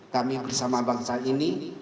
kami bersama bangsa ini